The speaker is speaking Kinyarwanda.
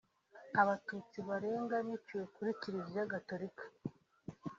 Abatutsi barenga biciwe kuri Kiliziya Gatorika